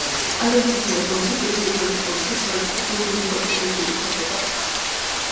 ადამიანთა მოდგმაში კი უპირველეს ყოვლისა სწორედ კულტურული მსოფლიო იგულისხმებოდა.